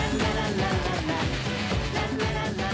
ララララララン